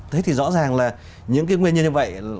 thế thì rõ ràng là những cái nguyên nhân như vậy